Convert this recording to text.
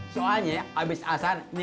soalnya ya abis asan